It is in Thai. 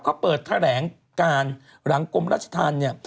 เขาเปิดแถลงการหลังกรมราชธรรมเนี่ย